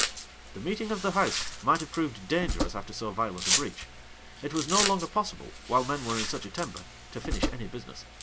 [] The meeting of the house might have proved dangerous after so violent a breach. It was no longer possible, while men were in such a temper, to finish any business.